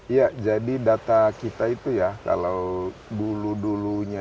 iya jadi data kita itu ya kalau dulu dulunya